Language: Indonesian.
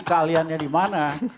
kaliannya di mana